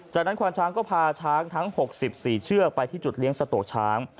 จากนั้นควานช้างก็พาช้างทั้ง๖๔เชือกไปที่จุดเลี้ยงสโตช้าง